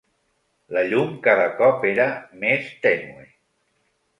La llum cada cop era més tènue.